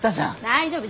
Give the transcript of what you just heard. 大丈夫。